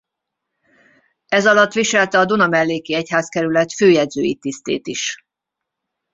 Ezalatt viselte a Dunamelléki Egyházkerület főjegyzői tisztét is.